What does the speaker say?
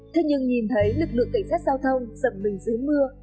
thế nhưng nhìn thấy lực lượng cảnh sát giao thông dầm mình dưới mưa